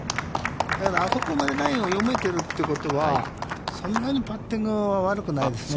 だけど、あそこまでラインを読めてるということは、そんなにパッティングは悪くないですね。